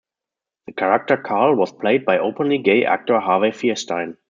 The character Karl was played by openly gay actor Harvey Fierstein.